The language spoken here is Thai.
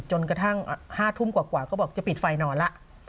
กระทั่ง๕ทุ่มกว่าก็บอกจะปิดไฟนอนแล้ว